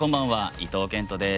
伊東健人です。